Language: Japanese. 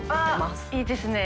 あっいいですね。